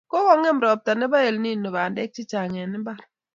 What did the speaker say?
Kokongem ropta neo nebo elnino bandek chechang eng mbar